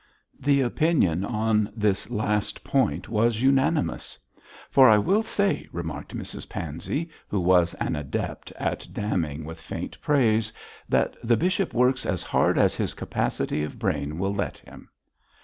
The opinion on this last point was unanimous. 'For I will say,' remarked Mrs Pansey, who was an adept at damning with faint praise, 'that the bishop works as hard as his capacity of brain will let him.'